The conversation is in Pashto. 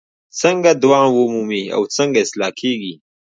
څنګه دوام ومومي او څنګه اصلاح کیږي؟